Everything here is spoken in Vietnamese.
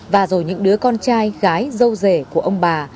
và rồi những đứa con trai gái dâu rể của ông bà